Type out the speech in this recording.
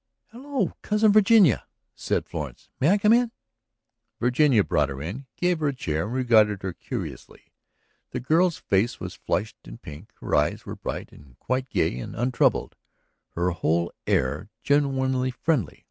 "Hello, Cousin Virginia," said Florence. "May I come in?" Virginia brought her in, gave her a chair and regarded her curiously. The girl's face was flushed and pink, her eyes were bright and quite gay and untroubled, her whole air genuinely friendly.